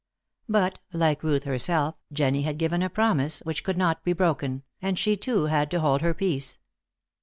But, like Ruth herself, Jennie had given a promise which could not be broken, and she, too, had to hold her peace.